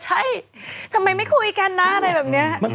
ใช่ทำไมไม่คุยกันนะอะไรแบบนี้